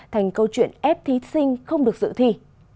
thành câu chuyện ép thí sinh không được dự thi